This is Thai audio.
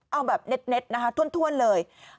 เอาแบบเน็ตนะคะถ้วนเลย